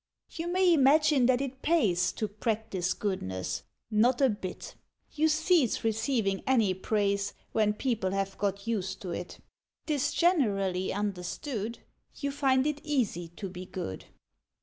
You may imagine that it pays To practise Goodness. Not a bit! You cease receiving any praise When people have got used to it; 'Tis generally understood You find it easy to be good.